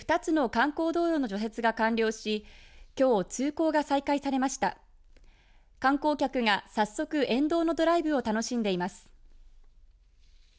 観光客が早速、沿道のドライブを楽しんでいます。